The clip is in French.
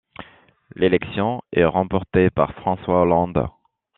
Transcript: L'élection est remportée par François Hollande.